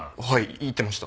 言ってました。